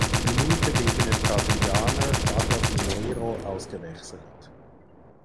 Minute gegen den Brasilianer Douglas Mineiro ausgewechselt.